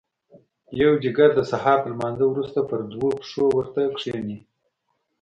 پوجيگر د سهار تر لمانځه وروسته پر دوو پښو ورته کښېني.